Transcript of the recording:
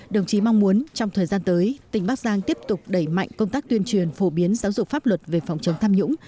đồng chí mong muốn trong thời gian tới tỉnh bắc giang tiếp tục đẩy mạnh công tác tuyên truyền phổ biến giáo dục pháp luật về phòng chống tham nhũng